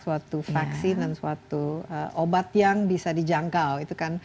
suatu vaksin dan suatu obat yang bisa dijangkau